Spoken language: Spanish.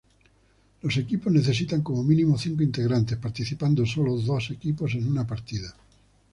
Los equipos necesitan como mínimo cinco integrantes, participando sólo dos equipos en una partida.